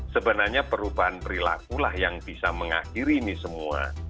sebenarnya perubahan perilaku lah yang bisa mengakhiri ini semua